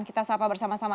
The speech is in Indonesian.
kita sapa bersama sama